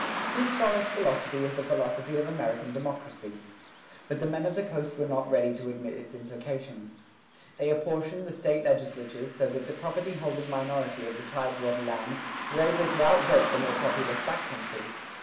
This forest philosophy is the philosophy of American democracy. But the men of the coast were not ready to admit its implications. They apportioned the State legislatures so that the property holding minority of the tide water lands were able to outvote the more populous back countries.